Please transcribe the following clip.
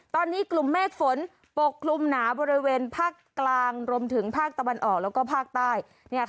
ตอนนี้กลุ่มเมฆฝนปกคลุมหนาบริเวณภาคกลางรวมถึงภาคตะวันออกแล้วก็ภาคใต้